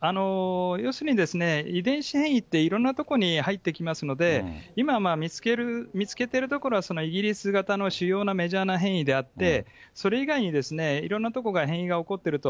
要するに、遺伝子変異っていろんなところに入ってきますので、今は見つけてるところは、イギリス型の主要なメジャーな変異であって、それ以外にですね、いろんなところが変異が起こってると。